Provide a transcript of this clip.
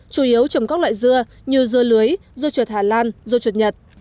chủ yếu trồng các loại dưa như dưa lưới dưa chuột hà lan dưa chuột nhật